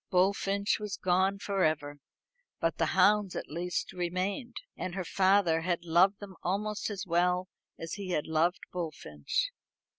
Bullfinch was gone for ever, but the hounds at least remained; and her father had loved them almost as well as he had loved Bullfinch.